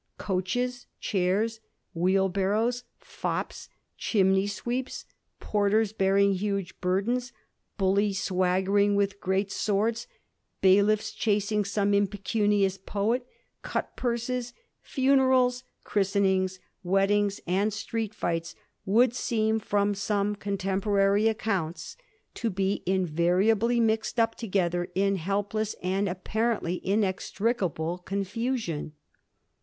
Coaches, chairs, wheelbarrows, fops, chimney sweeps, porters bearing huge burdens, bullies swaggering with great swords, bailiffs chasing some impecunious poet, cut purses, funerals, christenings, weddings and street fights, would seem fi^om some contemporary accounts Digiti zed by Google ^94 A HISTORY OF THE FOUR GEORGES. ch. v. to be invariably mixed up together in helpless and apparently inextricable confusion.